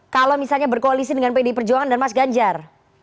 kalau misalnya berkoalisi dengan pdi perjuangan dan mas ganjar